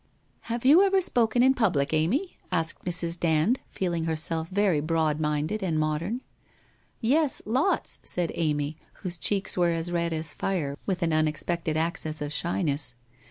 'Have .you ever spoken in public, Amy?' asked Mrs. Dand, feeling herself very broadminded and modern. ' Yes, lots !' said Amy, whose cheeks were as red as fire with an unexpected access of shyness.